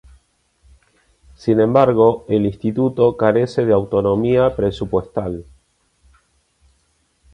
Sin embargo, el Instituto carece de autonomía presupuestal.